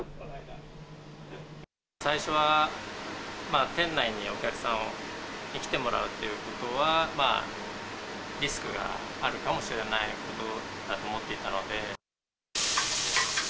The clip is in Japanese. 最初は、店内にお客さんに来てもらうということは、リスクがあるかもしれないことだと思っていたので。